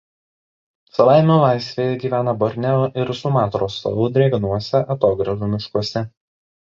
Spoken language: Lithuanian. Savaime laisvėje gyvena Borneo ir Sumatros salų drėgnuose atogražų miškuose.